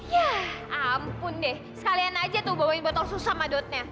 yah ampun deh sekalian aja tuh bawa botol susam sama dotnya